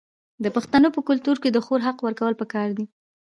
د پښتنو په کلتور کې د خور حق ورکول پکار دي.